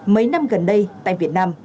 mấy năm gần đây tại việt nam